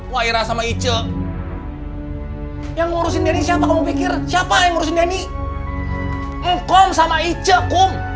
wairah sama iceng yang ngurusin ini siapa kamu pikir siapa yang ngurusin ini ngomong sama iceng